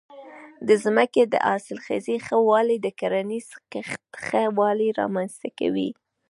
د ځمکې د حاصلخېزۍ ښه والی د کرنیزې کښت ښه والی رامنځته کوي.